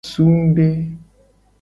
Sungde.